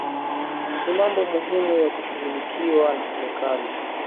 Ni mambo muhimu ya kushughulikiwa na serikali